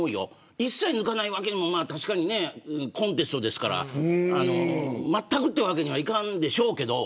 一切抜かないのはコンテストですからまったくというわけにはいかんでしょうけど。